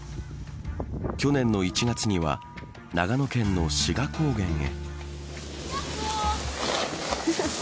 去年の１月には長野県の志賀高原へ。